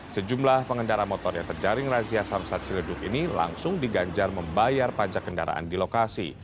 sejumlah pengendara motor yang terjaring razia samsat ciledug ini langsung diganjar membayar pajak kendaraan di lokasi